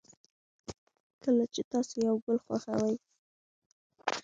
کله چې تاسو یو گل خوښوئ